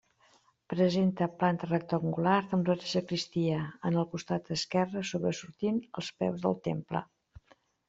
Presenta planta rectangular amb la sagristia, en el costat esquerre, sobresortint als peus del temple.